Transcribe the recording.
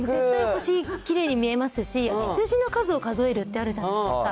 星きれいに見えますし、羊の数を数えるってあるじゃないですか。